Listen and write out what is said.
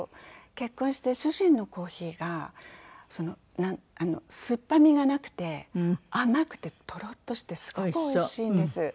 結婚して主人のコーヒーが酸っぱみがなくて甘くてとろっとしてすごくおいしいんです。